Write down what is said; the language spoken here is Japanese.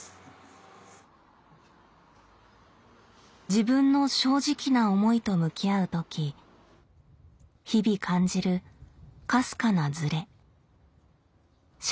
自分の正直な思いと向き合う時日々感じるかすかなズレ社会への違和感。